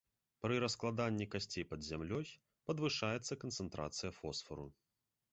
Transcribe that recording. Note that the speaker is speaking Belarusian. Пры раскладанні касцей пад зямлёй падвышаецца канцэнтрацыя фосфару.